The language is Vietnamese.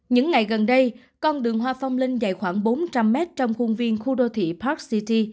những ngày gần đây con đường hoa phong linh dài khoảng bốn trăm linh mét trong khuôn viên khu đô thị park city